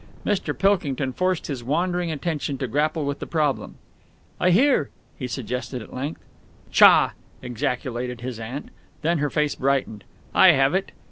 Mr. Pilkington forced his wandering attention to grapple with the problem. "'I hear,'" he suggested at length. "Tchah!" ejaculated his aunt. Then her face brightened. "I have it.